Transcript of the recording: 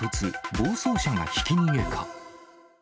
暴走車がひき逃げか。